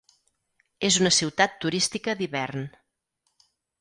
És una ciutat turística d'hivern.